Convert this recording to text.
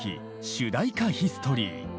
主題歌ヒストリー。